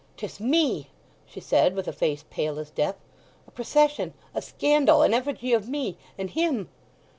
"'Tis me!" she said, with a face pale as death. "A procession—a scandal—an effigy of me, and him!"